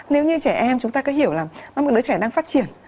nếu như trẻ em chúng ta cứ hiểu là nó một đứa trẻ đang phát triển